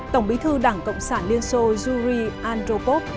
tổng bí thư đảng cộng sản liên xô yuri andropov